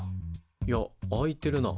いや空いてるな。